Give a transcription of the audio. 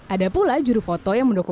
ada pula juru foto yang mendukung